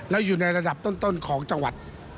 แล้วอยู่ในระดับต้นของจังหวัด